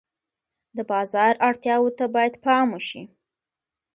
د بازار اړتیاوو ته باید پام وشي.